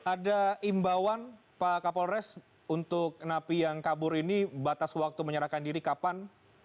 ada imbauan pak kapolres untuk napi yang kabur ini batas waktu menyerahkan diri kapan